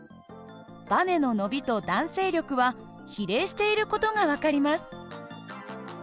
ばねの伸びと弾性力は比例している事が分かります。